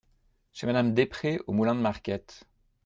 chez Mme Despretz, au Moulin de Marquette.